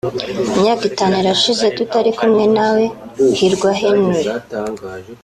Imyaka itanu irashize tutari kumwe nawe (Hirwa Henry)